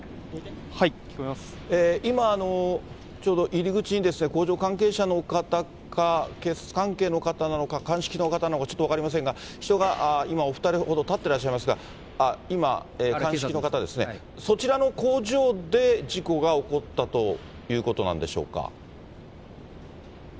今ちょうど入り口に、工場関係者の方か、警察関係の方なのか、鑑識の方なのかちょっと分かりませんが、人が今、お２人ほど立ってらっしゃいますが、あ、今、鑑識の方ですね、そちらの工場で事故が起こったということなんでしょうか。